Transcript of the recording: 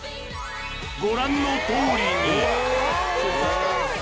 ご覧のとおりに！